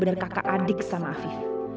untuk dikabuk dengan ivy in magnificent